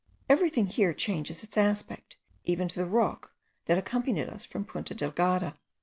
Everything here changes its aspect, even to the rock that accompanied us from Punta Delgada.